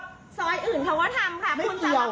คนถ่ายอื่นของเขาว่าทำค่ะ